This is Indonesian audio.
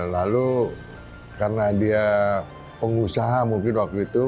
lalu karena dia pengusaha mungkin waktu itu